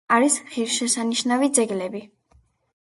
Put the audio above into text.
არის ღირსშესანიშნავი ძეგლები.